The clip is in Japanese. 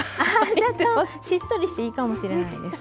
しっとりしていいかもしれないです。